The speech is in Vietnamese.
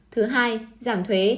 thứ hai giảm thuế